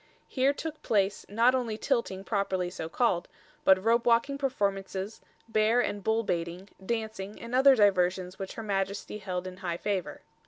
Here took place, not only tilting properly so called, but rope walking performances, bear and bull baiting, dancing and other diversions which her Majesty held in high favour.